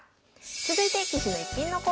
続いて棋士の逸品のコーナーです。